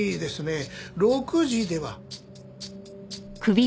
６時では？